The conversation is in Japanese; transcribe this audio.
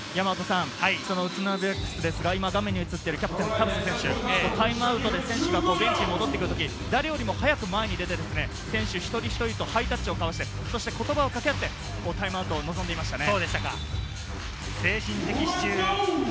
その宇都宮、画面に映っているキャプテンの田臥選手、タイムアウトで選手がベンチに戻ってくるとき、誰よりも早く前に出て、選手一人一人とハイタッチを交わし、言葉を掛け合い、タイムアウトに臨んでいましたね。